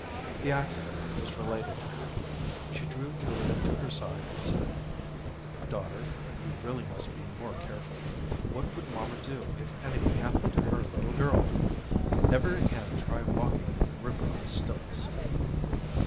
The accident was related to her. She drew Julia to her side and said: "Daughter, you really must be more careful. What would mamma do if anything happened to her little girl? Never again try walking in the river on stilts."